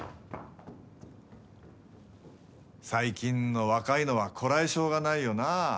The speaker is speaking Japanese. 最近の若いのはこらえ性がないよな。